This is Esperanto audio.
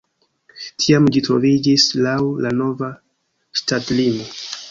Tiam ĝi troviĝis laŭ la nova ŝtatlimo.